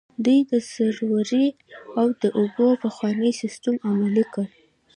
دوی د سروې او د اوبو پخوانی سیستم عملي کړ.